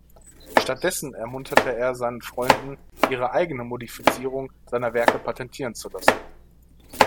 Stattdessen ermunterte er seine Freunde, ihre eigenen Modifizierungen seiner Werke patentieren zu lassen.